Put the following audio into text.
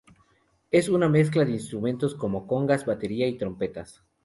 Es una mezcla de instrumentos, como congas, batería y trompetas.